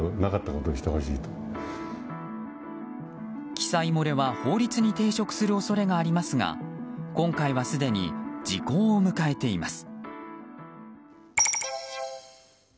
記載漏れは法律に抵触する恐れがありますが今回はすでに時効を迎えています。